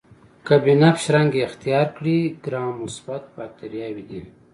که بنفش رنګ اختیار کړي ګرام مثبت باکتریاوې دي.